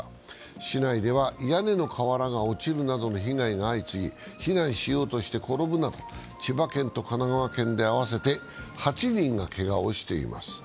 市内では屋根の瓦が落ちるなどの被害が相次ぎ避難しようとして転ぶなど千葉県と神奈川県で合わせて８人がけがをしています。